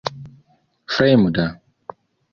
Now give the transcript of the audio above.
fremda